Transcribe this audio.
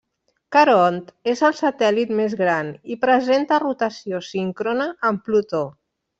Caront és el satèl·lit més gran i presenta rotació síncrona amb Plutó.